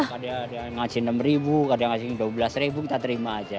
kalau ada yang ngasih enam ribu ada yang ngasih dua belas ribu kita terima aja